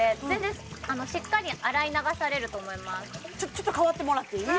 ちょっとかわってもらっていい？